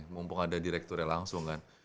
mumpung ada direkturnya langsung kan